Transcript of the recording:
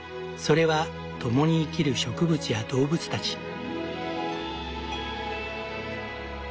それは共に生きる植物や動物たち。